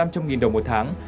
một triệu đồng một tháng